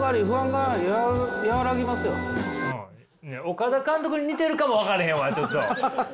岡田監督に似てるかも分からへんわ！